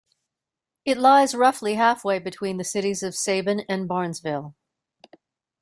It lies roughly halfway between the cities of Sabin and Barnesville.